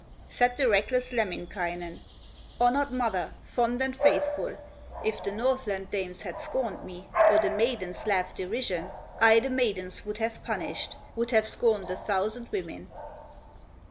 Said the reckless Lemminkainen: "Honored mother, fond and faithful, If the Northland dames had scorned me Or the maidens laughed derision, I the maidens would have punished, Would have scorned a thousand women."